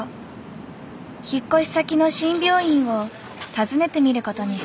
引っ越し先の新病院を訪ねてみる事にした。